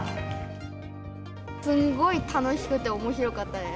すんごい楽しくておもしろかったです。